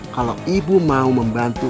kalau ibu mau membantu